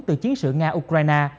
từ chiến sự nga ukraine